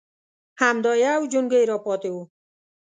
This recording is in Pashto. _همدا يو جونګۍ راپاتې و.